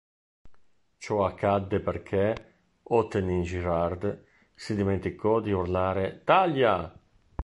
Ciò accadde perché Othenin-Girard si dimenticò di urlare "Taglia!